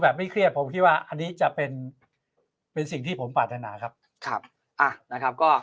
ไม่เครียดผมคิดว่าอันนี้จะเป็นเป็นสิ่งที่ผมปรารถนาครับครับอ่ะนะครับก็